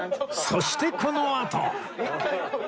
そしてこのあと